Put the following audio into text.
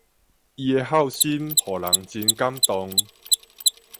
伊的孝心予人真感動